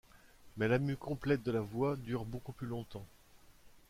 Mais la mue complète de la voix dure beaucoup plus longtemps.